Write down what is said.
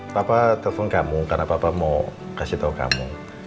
papa telepon kamu karena papa mau kasih tau kamu